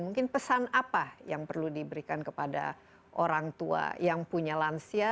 mungkin pesan apa yang perlu diberikan kepada orang tua yang punya lansia